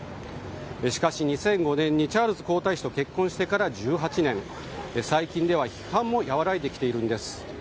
しかし、２００５年にチャールズ皇太子と結婚してから１８年最近では批判も和らいできているんです。